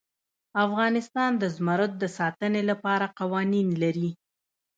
افغانستان د زمرد د ساتنې لپاره قوانین لري.